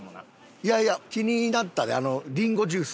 いやいや気になったであのりんごジュース。